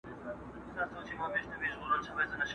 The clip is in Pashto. له ازله یو قانون د حکومت دی،